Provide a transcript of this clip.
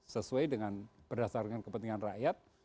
sesuai dengan berdasarkan kepentingan rakyat